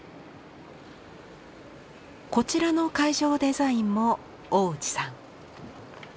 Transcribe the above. こちらの会場デザインもおおうちさん。